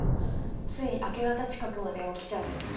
つい明け方近くまで起きちゃうんですよね。